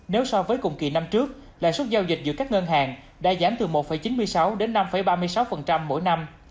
nếu so với cùng kỳ năm trước lãi suất giao dịch giữa các ngân hàng đã giảm từ một chín mươi sáu đến năm ba mươi sáu mỗi năm